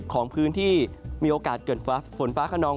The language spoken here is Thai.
ของพื้นที่มีโอกาสเกิดฝนฟ้าขนอง